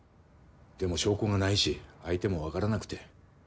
でも証拠がないし相手も分からなくて。